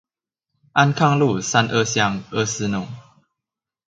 安康路三二巷二四弄